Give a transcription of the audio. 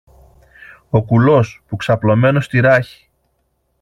Ο κουλός, που ξαπλωμένος στη ράχη